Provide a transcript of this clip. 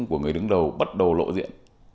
của người đứng đầu bắt đầu lộ diện